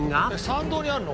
参道にあるの？